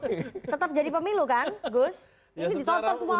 untuk semua orang